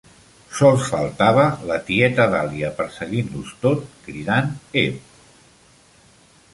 Sols faltava la tieta Dahlia perseguint-los tot cridant "Ep!"